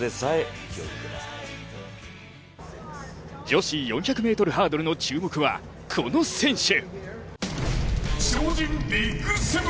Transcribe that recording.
女子４００ｍハードルの注目はこの選手。